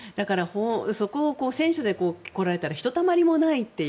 そこを戦車で来られたらひとたまりもないという。